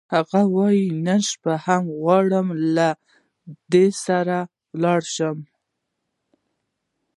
هغې وویل: نن شپه هم غواړې، له ده سره ولاړه شې؟